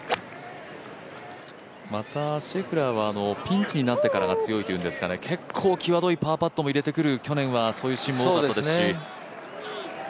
またピンチになってから強いというんですかね、結構きわどいパーパットも入れてくる去年はそういうシーンも多かったですし。